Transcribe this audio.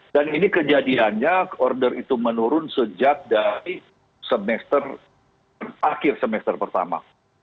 dan ini kejadiannya order itu menurun sejak dari semester akhir semester pertama